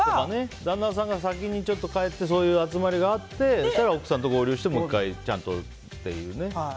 旦那さんが先に帰ってそういう集まりがあって奥さんと合流してもう１回ちゃんとっていうね。